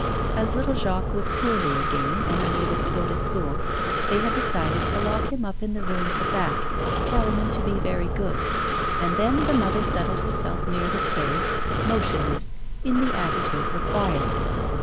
As little Jacques was poorly again and unable to go to school, they had decided to lock him up in the room at the back, telling him to be very good. And then the mother settled herself near the stove, motionless, in the attitude required.